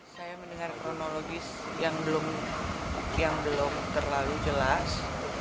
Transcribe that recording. saya mendengar kronologis yang belum terlalu jelas